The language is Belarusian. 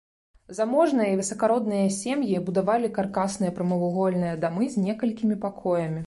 Заможныя і высакародныя сем'і будавалі каркасныя прамавугольныя дамы з некалькімі пакоямі.